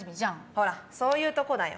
ほらそういうとこだよ。